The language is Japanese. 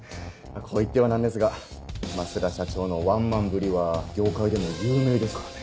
こう言っては何ですが増田社長のワンマンぶりは業界でも有名ですからね。